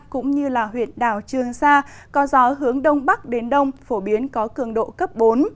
cũng như huyện đảo trường sa có gió hướng đông bắc đến đông phổ biến có cường độ cấp bốn